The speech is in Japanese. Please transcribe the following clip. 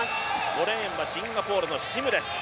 ５レーンはシンガポールのシムです。